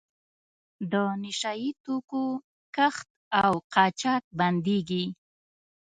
د نشه یي توکو کښت او قاچاق بندیږي.